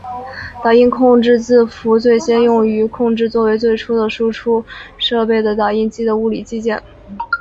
打印控制字符最先用于控制作为最早的输出设备的打印机的物理机件。